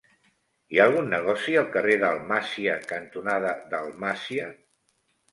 Hi ha algun negoci al carrer Dalmàcia cantonada Dalmàcia?